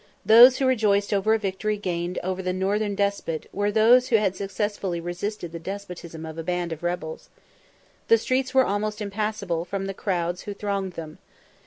Those who rejoiced over a victory gained over the northern despot were those who had successfully resisted the despotism of a band of rebels. The streets were almost impassable from the crowds who thronged them.